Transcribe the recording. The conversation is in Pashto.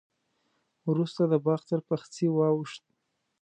وروسته د باغ تر پخڅې واوښت.